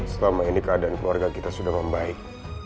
selama ini keadaan keluarga kita sudah membaik